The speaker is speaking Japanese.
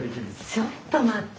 ちょっと待って！